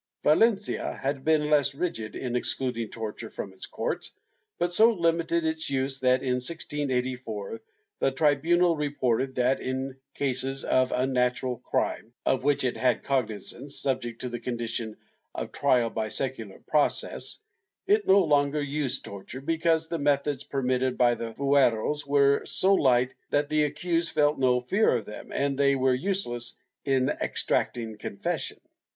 ^ Valencia had been less rigid in excluding torture from its courts, but so Hmited its use that, in 1684, the tribunal reported that, in cases of unnatural crime (of which it had cognizance, subject to the condition of trial by secular process), it no longer used torture, because the methods permitted by the fueros were so light that the accused felt no fear of them, and they were useless in extracting confession.